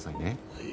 はい。